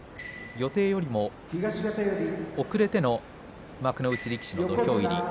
予定よりも遅れての幕内力士の土俵入りです。